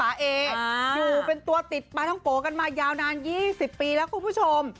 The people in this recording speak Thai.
อยู่เป็นตัวติดปลาท้องโกกันมายาวนาน๒๐ปีแล้วคุณผู้ชม